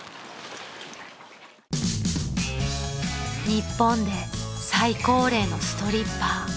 ［日本で最高齢のストリッパー］